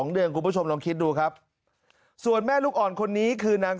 เดือนคุณผู้ชมลองคิดดูครับส่วนแม่ลูกอ่อนคนนี้คือนาง